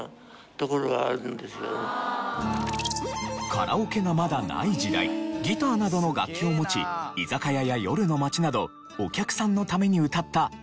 カラオケがまだない時代ギターなどの楽器を持ち居酒屋や夜の街などお客さんのために歌った流し。